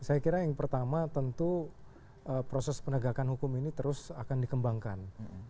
saya kira yang pertama tentu proses penegakan hukum ini terus akan dikembangkan